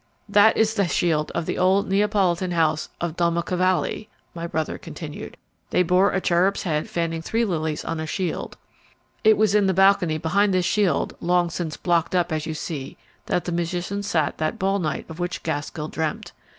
"That is the shield of the old Neapolitan house of Doma Cavalli," my brother continued; "they bore a cherub's head fanning three lilies on a shield or. It was in the balcony behind this shield, long since blocked up as you see, that the musicians sat on that ball night of which Gaskell dreamt.